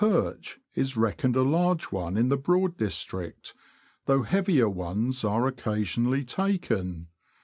perch is reckoned a large one in the Broad district, though heavier ones are occasionally taken.